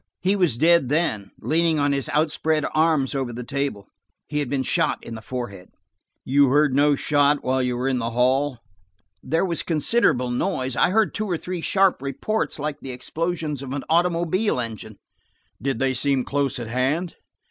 "He was dead then, leaning on his outspread arms over the table; he had been shot in the forehead." "You heard no shot while you were in the hall ?" "There was considerable noise; I heard two or three sharp reports like the explosions of an automobile engine." "Did they seem close at hand?"